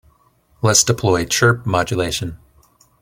Let's deploy chirp modulation.